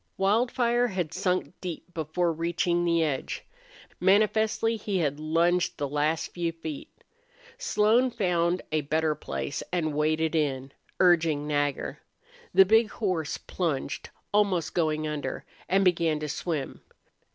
Wildfire had sunk deep before reaching the edge. Manifestly he had lunged the last few feet. Slone found a better place, and waded in, urging Nagger. The big horse plunged, almost going under, and began to swim.